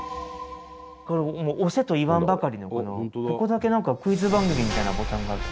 これ押せと言わんばかりのこのここだけ何かクイズ番組みたいなボタンがあって。